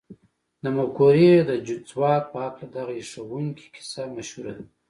د مفکورې د ځواک په هکله دغه هيښوونکې کيسه مشهوره ده.